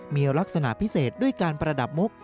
มีลักษณะพิเศษด้วยการประดับมุก